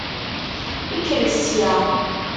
Kkret sya!